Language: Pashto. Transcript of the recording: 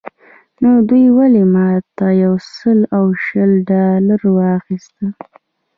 نو دوی ولې مانه یو سل او شل ډالره واخیستل.